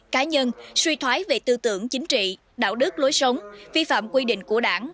cá nhân suy thoái về tư tưởng chính trị đạo đức lối sống vi phạm quy định của đảng